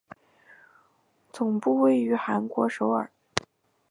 总部位于韩国首尔。